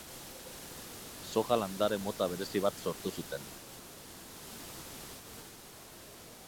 Soja landare mota berezi bat sortu zuten.